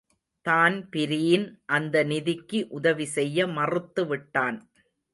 Dan Breen அந்த நிதிக்கு உதவி செய்ய மறுத்து விட்டான்.